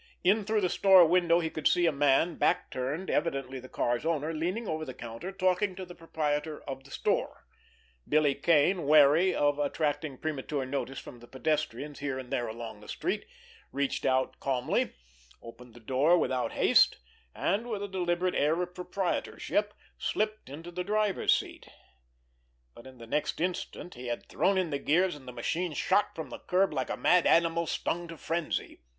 In through the store window he could see a man, back turned, evidently the car's owner, leaning over the counter, talking to the proprietor of the store. Billy Kane, wary of attracting premature notice from the pedestrians here and there along the street, reached out calmly, opened the door without haste, and with a deliberate air of proprietorship slipped into the driver's seat—but in the next instant he had thrown in the gears, and the machine shot from the curb like a mad animal stung to frenzy.